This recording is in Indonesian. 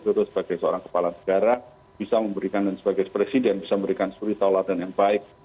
tentu sebagai seorang kepala negara bisa memberikan dan sebagai presiden bisa memberikan spiritolatan yang baik